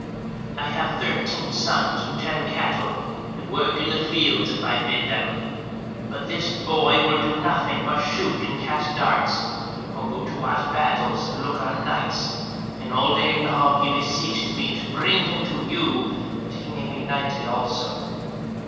"I have thirteen sons who tend cattle, and work in the fields if I bid them; but this boy will do nothing but shoot and cast darts, or go to watch battles and look on Knights, and all day long he beseeches me to bring him to you, that he may be knighted also."